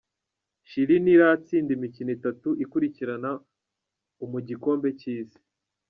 Chili ntiratsinda imikino itatu ikurikirana umu gikombe cy’Isi.